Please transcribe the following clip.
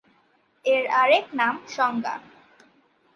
এর আরেক নাম সংজ্ঞা।